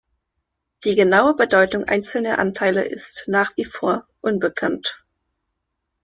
Die genaue Bedeutung einzelner Anteile ist nach wie vor unbekannt.